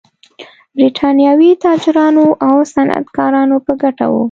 د برېټانوي تاجرانو او صنعتکارانو په ګټه و.